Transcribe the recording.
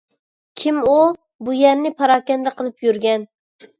كىم ئۇ، بۇ يەرنى پاراكەندە قىلىپ يۈرگەن !؟